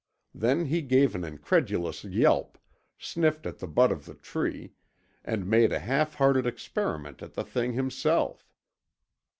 Then he gave an incredulous yelp, sniffed at the butt of the tree, and made a half hearted experiment at the thing himself.